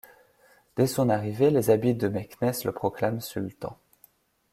Dès son arrivée, les Abids de Meknès le proclament sultan.